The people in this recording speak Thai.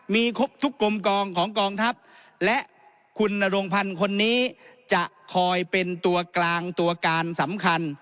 มีครบทุกกลมกองของกองทัพและคุณนรงพันธ์คนนี้จะคอยเป็นตัวกลางตัวการสำคัญ